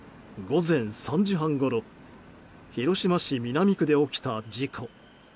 午前３時半ごろ広島市南区で起きた事故。